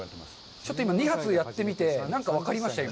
ちょっと今２発やってみて、なんか分かりました、今。